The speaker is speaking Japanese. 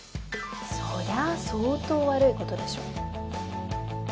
そりゃ相当悪いことでしょ。